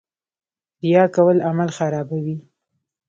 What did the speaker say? ریا کول عمل خرابوي